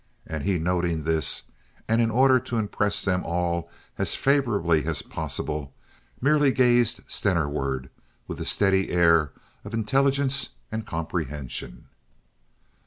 And he noting this and in order to impress them all as favorably as possible merely gazed Stenerward with a steady air of intelligence and comprehension.